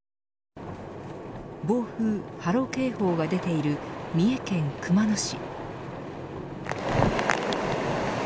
暴風・波浪警報が出ている三重県熊野市。